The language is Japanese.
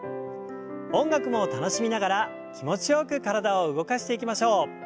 音楽も楽しみながら気持ちよく体を動かしていきましょう。